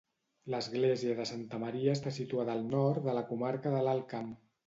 L'església de Santa Maria està situada al nord de la comarca de l'Alt Camp.